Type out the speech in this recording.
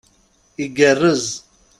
Igarrez!